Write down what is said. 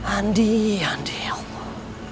andi andi ya allah